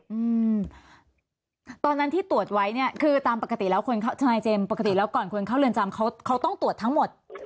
อืมตอนนั้นที่ตรวจไว้เนี้ยคือตามปกติแล้วคนทนายเจมส์ปกติแล้วก่อนคนเข้าเรือนจำเขาเขาต้องตรวจทั้งหมด